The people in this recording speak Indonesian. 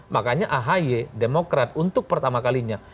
makanya ahy demokrat untuk pertama kalinya